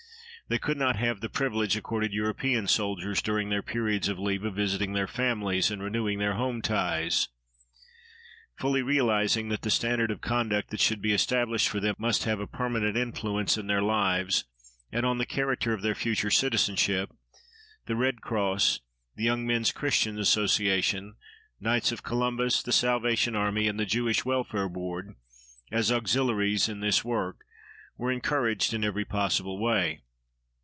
They could not have the privilege accorded European soldiers during their periods of leave of visiting their families and renewing their home ties. Fully realizing that the standard of conduct that should be established for them must have a permanent influence in their lives and on the character of their future citizenship, the Red Cross, the Young Men's Christian Association, Knights of Columbus, the Salvation Army, and the Jewish Welfare Board, as auxiliaries in this work, were encouraged in every possible way.